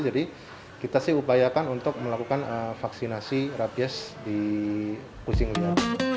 jadi kita sih upayakan untuk melakukan vaksinasi rabies di kucing liar